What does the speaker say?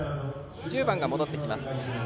１０番が戻ってきます。